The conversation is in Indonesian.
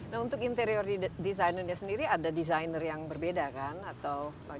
nah untuk interior desainernya sendiri ada desainer yang berbeda kan atau bagaimana